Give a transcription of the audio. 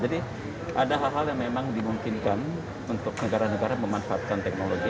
jadi ada hal hal yang memang dimungkinkan untuk negara negara memanfaatkan teknologi